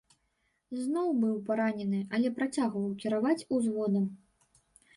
Зноў быў паранены, але працягваў кіраваць узводам.